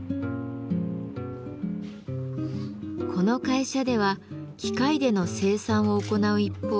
この会社では機械での生産を行う一方